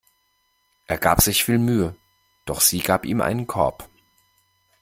Er gab sich viel Mühe, doch sie gab ihm einen Korb.